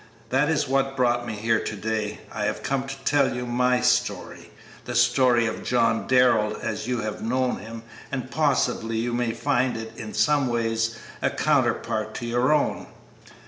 That is what brought me here to day. I have come to tell you my story, the story of John Darrell, as you have known him, and possibly you may find it in some ways a counterpart to your own."